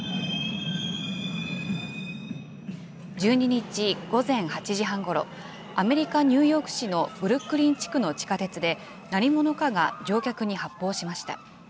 １２日午前８時半ごろ、アメリカ・ニューヨーク市のブルックリン地区の地下鉄で、何者かが乗客に発砲しました。